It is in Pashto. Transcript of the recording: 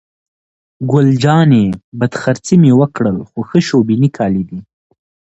ګل جانې: بد خرڅي مې وکړل، خو ښه شبني کالي دي.